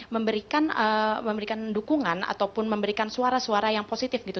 memberikan dukungan ataupun memberikan suara suara yang positif gitu